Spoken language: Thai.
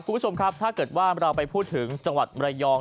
คุณผู้ชมครับถ้าเกิดว่าเราไปพูดถึงจังหวัดมรยอง